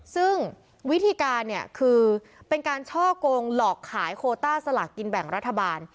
ซึ่งวิธีการเนี่ยคือเป็นการช่อกงหลอกขายโคต้าสลากกินแบ่งรัฐบาล